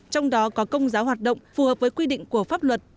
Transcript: trong đó có công giáo hoạt động phù hợp với quy định của pháp luật